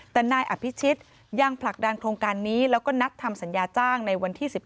แต่นายอภิชิตยังผลักดันโครงการนี้แล้วก็นัดทำสัญญาจ้างในวันที่๑๙